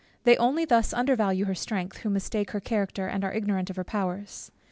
They only thus undervalue her strength, who mistake her character, and are ignorant of her powers.